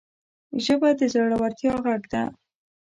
ژبه د زړورتیا غږ ده